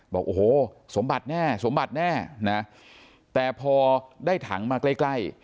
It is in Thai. บอกโอ้โหสมบัติแน่สมบัติแน่นะแต่พอได้ถังมาใกล้ใกล้